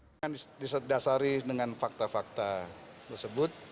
bambang susatyo menyebutkan di dasari dengan fakta fakta tersebut